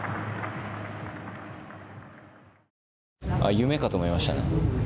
夢かと思いましたね。